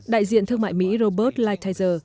đại diện thương mại mỹ robert lighthizer